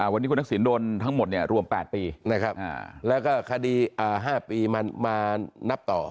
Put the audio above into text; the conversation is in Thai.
วันนี้คุณทักษิณโดนทั้งหมดรวม๘ปีนะครับแล้วก็คดี๕ปีมานับต่อ